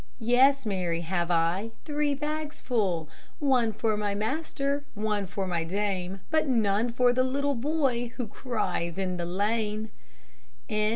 Yes, marry, have I, Three bags full; One for my master, One for my dame, But none for the little boy Who cries in the lane.